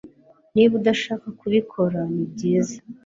Niba udashaka kubikora nibyiza